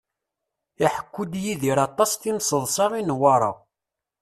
Iḥekku-d Yidir aṭas timseḍṣa i Newwara.